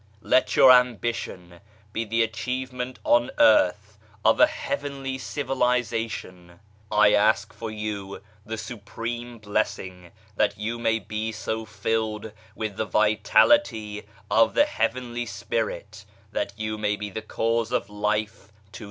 Let your ambition be the achievement on earth of a Heavenly Civilization ! I ask for you the Supreme Blessing, that you may be so filled with the vitality of the Heavenly Spirit that you may be the cause of life to the world.